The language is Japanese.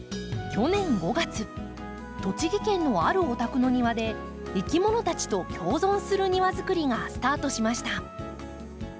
去年５月栃木県のあるお宅の庭でいきものたちと共存する庭づくりがスタートしました。